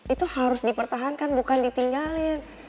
itu harus dipertahankan bukan ditinggalin